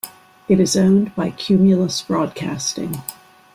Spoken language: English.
It is owned by Cumulus Broadcasting.